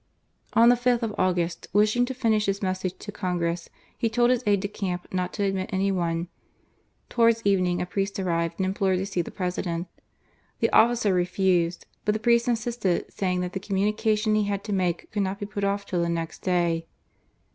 On the 5th of August, wishing to finish his message to Congress, he told his aide de camp not to admit any one. Towards evening a priest arrived, and implored to see the President. The officer refused ; but the priest insisted, saying that the communication he had to make could not be put off till the next day.